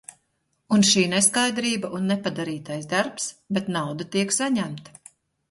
Un šī neskaidrība un nepadarītais darbs, bet nauda tiek saņemta.